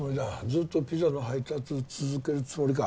ずっとピザの配達続けるつもりか？